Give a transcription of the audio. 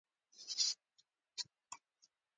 هر وګړی باید خپل چاپېریال پاک وساتي.